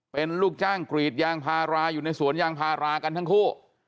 เป็นลูกจ้างกรีดยางพาราอยู่ในสวนยางพารากันทั้งคู่